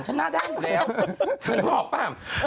ฉันน่าได้อยู่แล้วเธอน่องออกป่าว